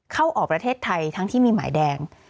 เข้าออกประเทศไทยทั้งที่มีหมายแดง